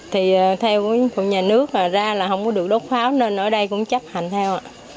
thì theo nhà nước ra là không có được đốt pháo nên ở đây cũng chấp hành theo